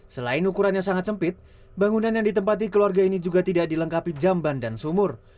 selain ukurannya sangat sempit bangunan yang ditempati keluarga ini juga tidak dilengkapi jamban dan sumur